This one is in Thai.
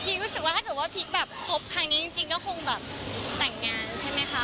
รู้สึกว่าถ้าเกิดว่าพีคแบบคบครั้งนี้จริงก็คงแบบแต่งงานใช่ไหมคะ